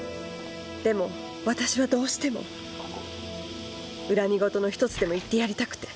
でも私はどうしても恨み言の一つでも言ってやりたくて。